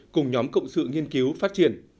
cùng nhóm cộng sự nghiên cứu phát triển